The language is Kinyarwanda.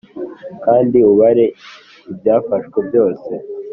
kandi ubare ibyafashwe byose